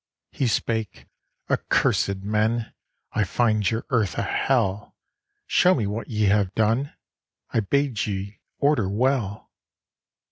He spake: 'Accursèd men, I find your earth a hell; Show me what ye have done; I bade ye order well.